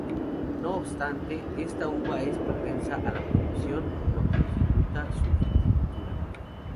No obstante, esta uva es propensa a la pudrición, lo que dificulta su viticultura.